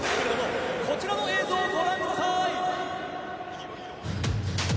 ・こちらの映像ご覧ください！